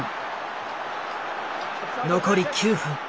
残り９分。